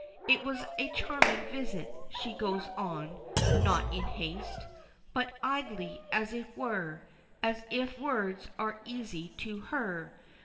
"It was a charming visit," she goes on, not in haste, but idly as it were, and as if words are easy to her.